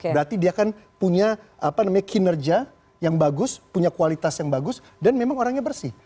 berarti dia kan punya kinerja yang bagus punya kualitas yang bagus dan memang orangnya bersih